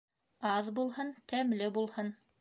Аҙ булһын, тәмле булһын.